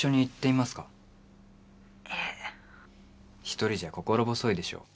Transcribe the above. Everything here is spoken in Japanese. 一人じゃ心細いでしょう。